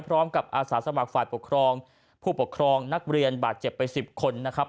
พร้อมกับอาสาสมัครฝ่าผู้ปกครองนักเรียนบาดเจ็บไป๑๐คนนะครับ